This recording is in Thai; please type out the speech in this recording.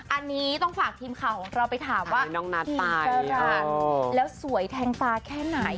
อันนี้ต้องฝากทีมข่าวของเราไปถามว่าพี่จรัสแล้วสวยแทงตาแค่ไหน